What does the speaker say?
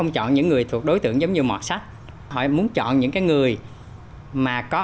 chọn những cái người mà có